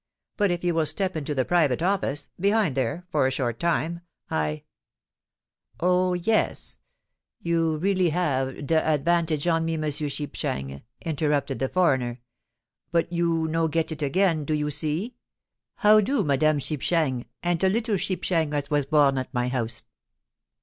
But if you will step into the private office—behind there—for a short time, I——" "Oh! yes—you really have de advantage on me, Monsieur Shipshang," interrupted the foreigner; "but you no get it again, do you see? How do Madame Shipshang, and de little Shipshang as was born at my house?"